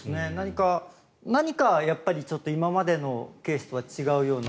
何か今までのケースとは違うような。